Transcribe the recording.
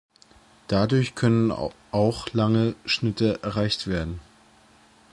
Dadurch können auch lange Schnitte erreicht werden.